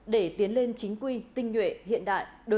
để tiến lên chính quy tinh nhuệ hiện đại